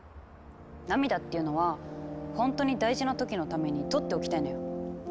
涙っていうのは本当に大事な時のためにとっておきたいのよきっと。